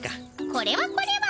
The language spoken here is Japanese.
これはこれは。